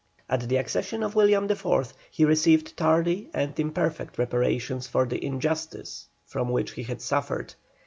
At the accession of William IV., he received tardy and imperfect reparation for the injustice from which he had suffered.